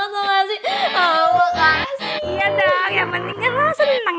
ya allah kasihan dong yang pentingnya lo seneng